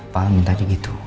pak minta aja gitu